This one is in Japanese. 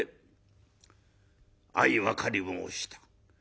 「相分かり申した」。